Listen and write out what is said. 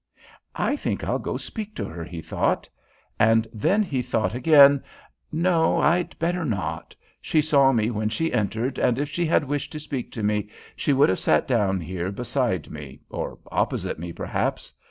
"I think I'll go speak to her," he thought. And then he thought again: "No, I'd better not. She saw me when she entered, and if she had wished to speak to me she would have sat down here beside me, or opposite me perhaps.